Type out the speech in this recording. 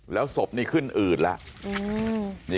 แล้วศพนี่ขึ้นอืดแล้ว